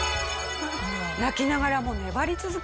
泣きながらも粘り続け